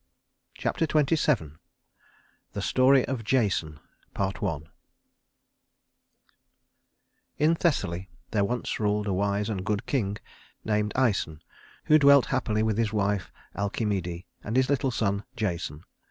Chapter XXVII The Story of Jason Part I In Thessaly there once ruled a wise and good king named Æson, who dwelt happily with his wife Alcimede, and his little son Jason.